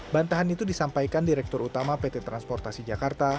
bantahan itu disampaikan direktur utama pt transportasi jakarta